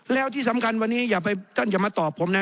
แล้วที่สำคัญวันนี้ท่านอย่ามาตอบผมนะ